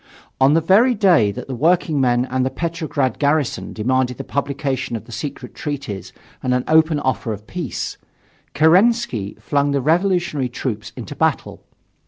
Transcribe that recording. On the very day that the workingmen and the Petrograd garrison demanded the publication of the secret treaties and an open offer of peace, Kerensky flung the revolutionary troops into battle.